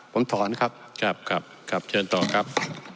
ผมถอนครับครับครับครับเชิญต่อครับ